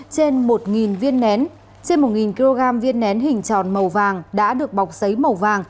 trên một viên nén trên một kg viên nén hình tròn màu vàng đã được bọc giấy màu vàng